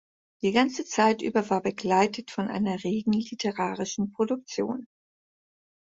Die ganze Zeit über war begleitet von einer regen literarischen Produktion.